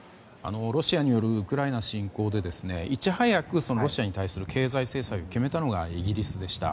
ロシアによるウクライナ侵攻でいち早くロシアに対する経済制裁を決めたのがイギリスでした。